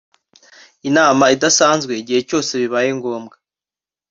Inama idasanzwe igihe cyose bibaye ngombwa.